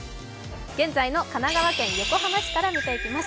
現在の神奈川県横浜市から見ていきます。